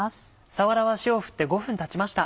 さわらは塩を振って５分たちました。